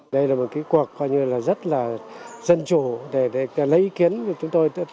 đây là một cuộc rất là dân chủ để lấy ý kiến của chúng tôi